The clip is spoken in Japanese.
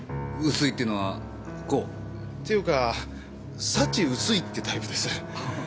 薄いっていうのはこう？っていうか幸薄いってタイプです。